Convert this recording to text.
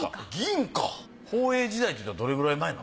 宝永時代っていうとどれくらい前の。